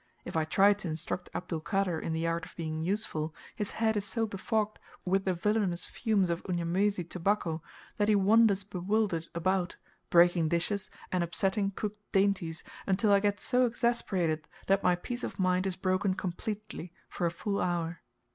If I try to instruct Abdul Kader in the art of being useful, his head is so befogged with the villainous fumes of Unyamwezi tobacco, that he wanders bewildered about, breaking dishes, and upsetting cooked dainties, until I get so exasperated that my peace of mind is broken completely for a full hour.